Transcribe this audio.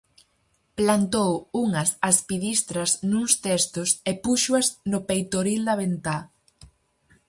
Plantou unhas aspidistras nuns testos e púxoas no peitoril da ventá.